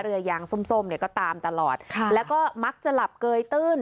เรือยางส้มส้มเนี่ยก็ตามตลอดค่ะแล้วก็มักจะหลับเกยตื้น